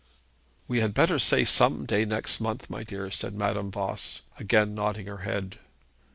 'We had better say some day next month, my dear,' said Madame Voss, again nodding her head.